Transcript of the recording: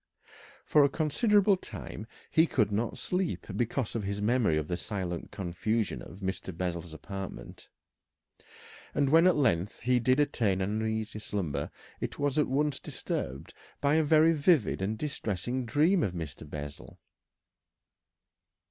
For a considerable time he could not sleep because of his memory of the silent confusion of Mr. Bessel's apartment, and when at length he did attain an uneasy slumber it was at once disturbed by a very vivid and distressing dream of Mr. Bessel.